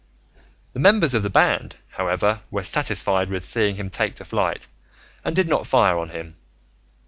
The members of the band, however, were satisfied with seeing him take to flight, and did not fire on him.